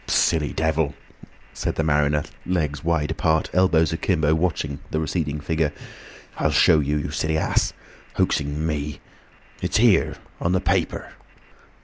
"Silly devil!" said the mariner, legs wide apart, elbows akimbo, watching the receding figure. "I'll show you, you silly ass—hoaxing me! It's here—on the paper!"